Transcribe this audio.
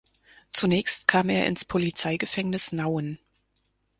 Zunächst kam er ins Polizeigefängnis Nauen.